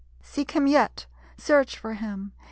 III Seek him yet. Search for him!